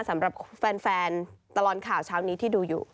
สำหรับแฟนตลอดข่าวเช้านี้ที่ดูอยู่